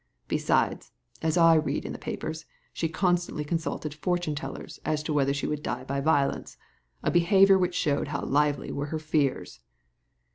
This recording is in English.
Besides, as I read in the papers, she constantly consulted fortune tellers as to whether she would die by violence : a behaviour which showed how lively were her fears."